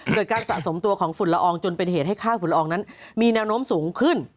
เกิดการสะสมตัวของฝุ่นละอองจนเป็นเหตุให้ค่าฝุ่นละอองนั้นมีแนวโน้มสูงขึ้น